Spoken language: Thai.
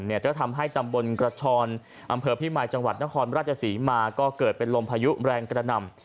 ก็ทำให้ตำบลกระชอนอำเภอพี่มายจังหวัดนครราชศรีมาก็เกิดเป็นลมพายุแรงกระหน่ำ